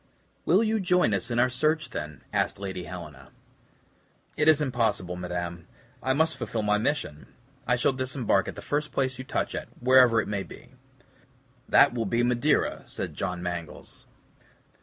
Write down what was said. "Will you join us in our search, then?" asked Lady Helena. "It is impossible, madame. I must fulfill my mission. I shall disembark at the first place you touch at, wherever it may be." "That will be Madeira," said John Mangles.